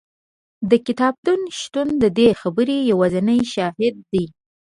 د کتابتون شتون د دې خبرې یوازینی شاهد دی.